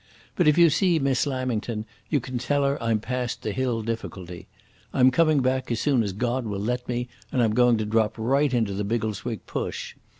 But if you see Miss Lamington you can tell her I'm past the Hill Difficulty. I'm coming back as soon as God will let me, and I'm going to drop right into the Biggleswick push.